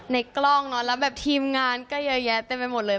ในกล้องเนอะแล้วแบบทีมงานก็เยอะแยะเต็มไปหมดเลย